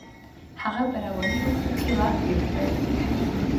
هغه په رواني روغتون کې وخت تیر کړ.